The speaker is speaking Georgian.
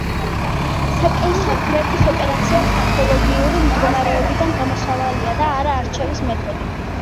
საკეისრო კვეთის ოპერაცია პათოლოგიური მდგომარეობიდან გამოსავალია და არა არჩევის მეთოდი.